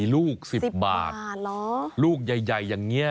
ลูก๑๐บาทลูกใหญ่อย่างนี้